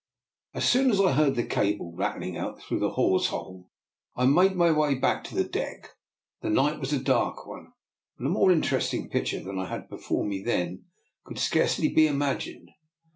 As soon as I heard the cable rattling out through the hawse hole I made my way to the deck. The night was a dark one, but a more interesting picture than I had before me then could scarcely be imagined.